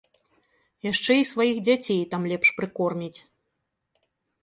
Яшчэ і сваіх дзяцей там лепш прыкорміць.